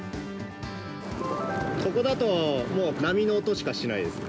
◆ここだと、もう波の音しかしないです。